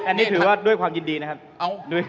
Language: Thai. อันนี้ถือว่าด้วยความยินดีนะครับ